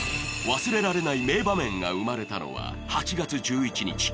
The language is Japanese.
忘れられない名場面が生まれたのは８月１１日。